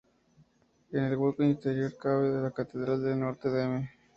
En el hueco interior cabe la Catedral de Notre Dame.